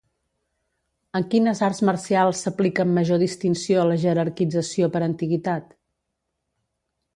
En quines arts marcials s'aplica amb major distinció la jerarquització per antiguitat?